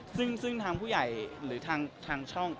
ซึ่งทางผู้ใหญ่หรือทางช่อง